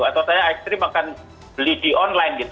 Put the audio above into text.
atau saya ekstrim akan beli di online gitu